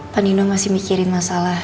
pak nino masih mikirin masalah